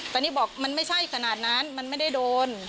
ตอนนี้บอกมันไม่ใช่ขนาดนั้นมันไม่ได้โดน